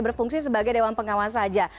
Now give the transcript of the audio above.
berfungsi sebagai dewan pengawas saja